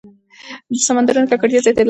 د سمندرونو ککړتیا زیاتېدلې ده.